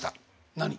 何？